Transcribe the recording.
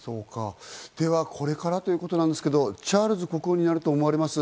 では、これからということですけれど、チャールズ国王になると思われます。